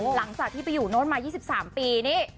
หลังจากที่ไปอยู่โน้นมา๒๓ปีนี่